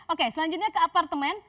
oke selanjutnya ke apartemen